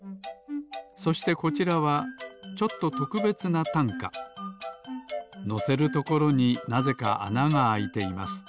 そしてこちらはちょっととくべつなたんかのせるところになぜかあながあいています。